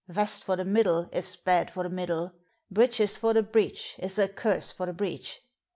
Vest for the middle is bad for the middle! Breeches for the breech is a curse for the breech!